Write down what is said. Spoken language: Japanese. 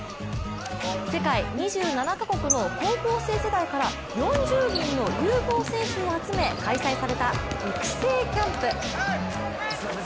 世界２７か国の高校生世代から４０人の有望選手を集め開催された育成キャンプ。